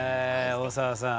大沢さん